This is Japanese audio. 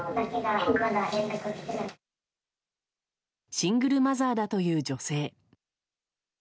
シングルマザーだという女性。